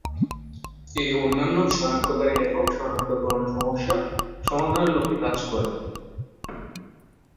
এই অনন্য শনাক্তকারী লেখক শনাক্তকরণ সমস্যা সমাধানের লক্ষ্যে কাজ করে।